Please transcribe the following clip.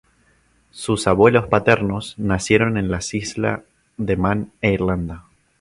Sus abuelos paternos nacieron en la Isla de Man e Irlanda.